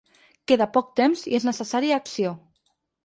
Queda poc temps i és necessari acció.